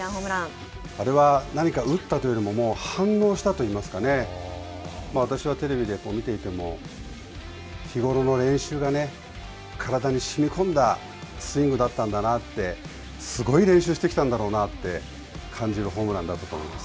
あれは何か、打ったというよりも、もう反応したといいますかね、私はテレビで見ていても、日頃の練習がね、体にしみこんだスイングだったんだなって、すごい練習してきたんだなって感じるホームランだったと思います。